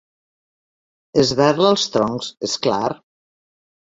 Esberla els troncs, és clar.